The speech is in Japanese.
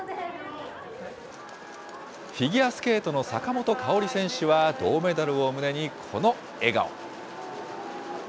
フィギュアスケートの坂本花織選手は、銅メダルを胸にこの笑顔。